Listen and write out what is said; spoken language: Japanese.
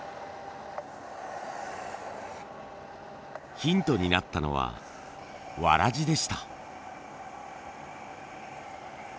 ヒントになったのは草鞋でした。